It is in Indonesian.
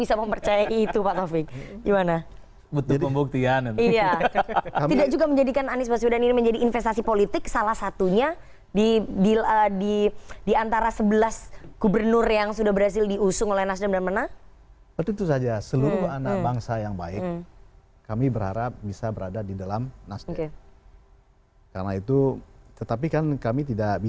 aja kalau setiap kami